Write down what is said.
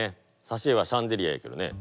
さしえはシャンデリアやけどね。